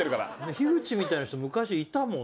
樋口みたいな人昔いたもん。